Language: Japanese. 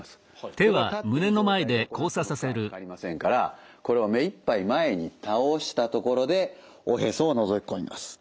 これ立ってる状態で行っても負荷がかかりませんからこれを目いっぱい前に倒したところでおへそをのぞき込みます。